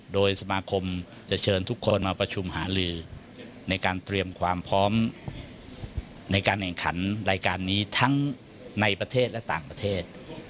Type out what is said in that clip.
โดยสมาคมจะเชิญทุกคนมาประชุมหาลือในการเตรียมความพร้อมในการแข่งขันรายการนี้ทั้งในประเทศและต่างประเทศ